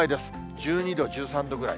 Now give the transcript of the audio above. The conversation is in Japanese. １２度、１３度ぐらい。